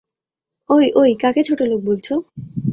অই, অই, কাকে ছোটলোক বলছো?